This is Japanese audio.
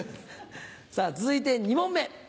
さぁ続いて２問目。